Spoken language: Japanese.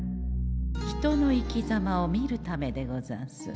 人の生きざまを見るためでござんす。